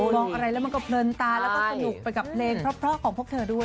มองอะไรแล้วมันก็เพลินตาแล้วก็สนุกไปกับเพลงเพราะของพวกเธอด้วย